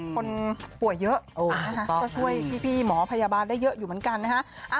คนป่วยเยอะก็ช่วยพี่หมอพยาบาลได้เยอะอยู่เหมือนกันนะฮะ